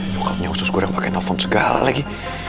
wah kalau punya usus goreng pake nelpon segala lagi